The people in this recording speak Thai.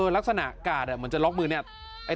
ลักษณะการ์ดมันจะล็อกมือไหน